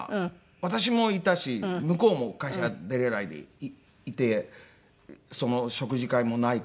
私もいたし向こうも会社出れないでいて食事会もないから。